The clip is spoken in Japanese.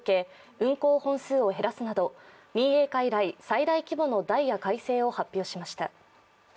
運行本数を減らすなど民営化以降最大規模のダイヤ改正を発表しました。